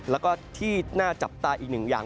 แล้วก็ที่น่าจับตาอีกหนึ่งอย่าง